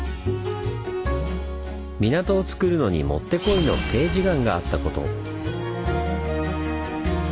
港をつくるのにもってこいのページ岩があったこと。